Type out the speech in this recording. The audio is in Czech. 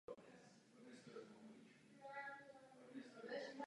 Počítač se nedostal do sériové výroby.